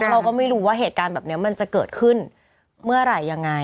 เราก็ไม่รู้ว่าเหตุการณ์แบบนี้มันจะเกิดขึ้นเมื่อไหร่ยังไง